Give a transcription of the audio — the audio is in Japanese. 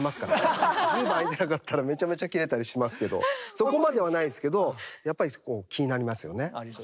そこまではないですけどやっぱり気になりますよね。